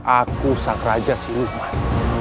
aku sang raja siruman